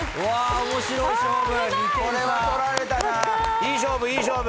いい勝負いい勝負。